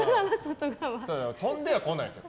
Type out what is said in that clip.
飛んでは来ないですよ。